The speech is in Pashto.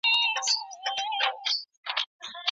که راتلونکی روښانه بریښي نو اوسنۍ هڅي ډیریږي.